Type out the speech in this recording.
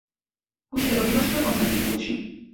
უშედეგოდ ილაშქრა კონსტანტინოპოლში.